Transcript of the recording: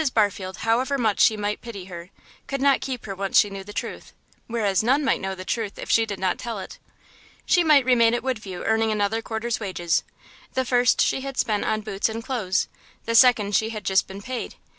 Barfield, however much she might pity her, could not keep her once she knew the truth, whereas none might know the truth if she did not tell it. She might remain at Woodview earning another quarter's wages; the first she had spent on boots and clothes, the second she had just been paid.